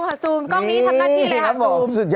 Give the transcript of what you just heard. เพื่อดู